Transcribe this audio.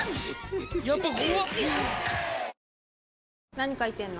何書いてんの？